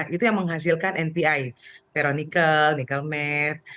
itu yang menghasilkan npi ferronikel nikel matte